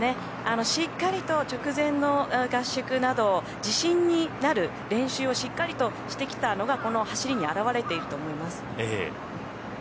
しっかりと直前の合宿など自信になる練習をしっかりとしてきたのがこの走りに表れていると思います。